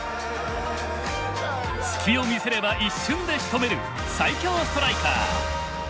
隙を見せれば一瞬でしとめる最強ストライカー。